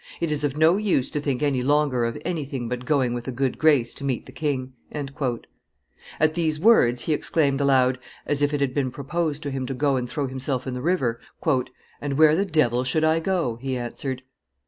It is of no use to think any longer of anything but going with a good grace to meet the king." At these words he exclaimed aloud, as if it had been proposed to him to go and throw himself in the river. "And where the devil should I go?" he answered.